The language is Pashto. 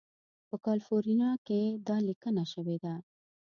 په کالیفورنیا کې دا لیکنه شوې ده.